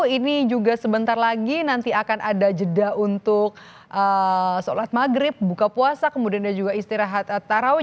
ini juga sebentar lagi nanti akan ada jeda untuk sholat maghrib buka puasa kemudian juga istirahat tarawih